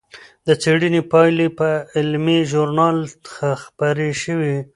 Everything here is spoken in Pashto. د څېړنې پایلې په علمي ژورنال خپرې شوې.